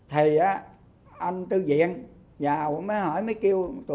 bây giờ bây giờ